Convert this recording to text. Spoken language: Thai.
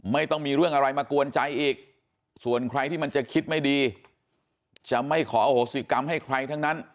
ไม่ต้องมีเรื่องอะไรมากวนใจอีกส่วนใครที่มันจะคิดไม่ดีจะไม่ขออโหสิกรรมให้ใครทั้งนั้น